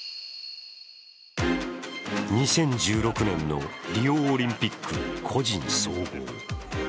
２０１６年のリオオリンピックの個人総合。